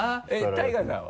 ＴＡＩＧＡさんは？